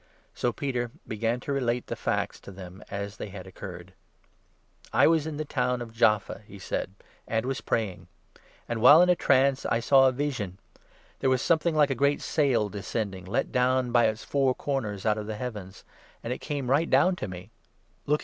So Peter began to relate the facts to them as they had oc 4 curred. " I was in the town of Jaffa," he said, " and was praying ; 5 and, while in a trance, I saw a vision. There was something like a great sail descending, let down by its four corners put of the heavens ; and it came right down to me. Looking 6 *• P». 147. 18—19 ; Isa. 52.